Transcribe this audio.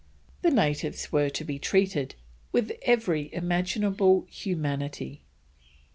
The natives were to be treated "with every imaginable humanity."